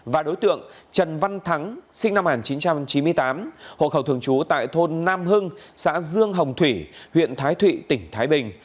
và đối tượng trần văn thắng sinh năm một nghìn chín trăm chín mươi tám hộ khẩu thường trú tại thôn nam hưng xã dương hồng thủy huyện thái thụy tỉnh thái bình